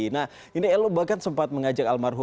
nah ini elo bahkan sempat mengajak almarhum